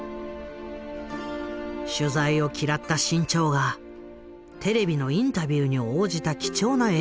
取材を嫌った志ん朝がテレビのインタビューに応じた貴重な映像がある。